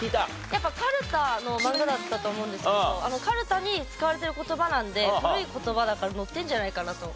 やっぱかるたのマンガだったと思うんですけどかるたに使われてる言葉なんで古い言葉だから載ってるんじゃないかなと。